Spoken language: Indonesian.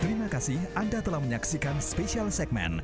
terima kasih anda telah menyaksikan special segmen